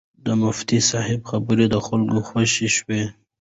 د مفتي صاحب خبرې د خلکو خوښې شوې وې.